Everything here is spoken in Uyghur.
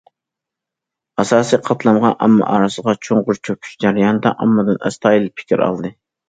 ئاساسىي قاتلامغا، ئامما ئارىسىغا چوڭقۇر چۆكۈش جەريانىدا ئاممىدىن ئەستايىدىل پىكىر ئالدى.